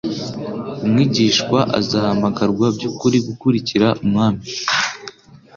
umwigishwa azahamagarwa by'ukuri gukurikira Umwami.